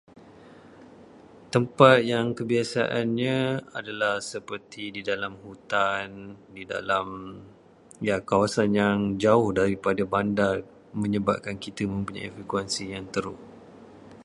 Tempat yang kebiasaannya adalah seperti di dalam hutan, di dalam- ya, kawasan yang jauh daripada bandar menyebabkan kita mempunyai frekuensi yang teruk.